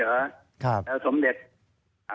แล้วสมเด็จ